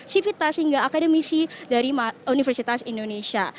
sivitas hingga akademisi dari universitas indonesia